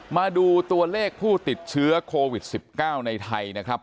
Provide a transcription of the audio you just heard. มาดูตัวเลขผู้ติดเชื้อโควิด๑๙ในไทยนะครับ